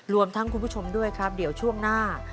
รวมทั้งคุณผู้ชมด้วยครับเดี๋ยวช่วงหน้า